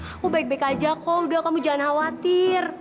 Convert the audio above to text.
aku baik baik aja kok udah kamu jangan khawatir